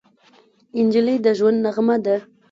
نجلۍ د ژوند نغمه ده.